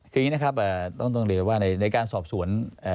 คืออย่างนี้นะครับต้องเรียนว่าในการสอบสวน